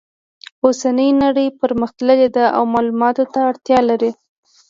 اوسنۍ نړۍ پرمختللې ده او معلوماتو ته اړتیا لري